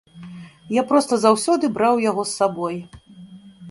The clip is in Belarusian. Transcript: Я проста заўсёды браў яго з сабой.